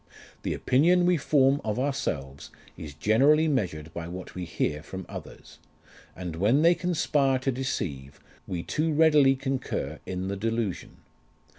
The opinion we form of ourselves is generally measured by what we hear from others ; and when they conspire to deceive, we too readily concur in the delusion.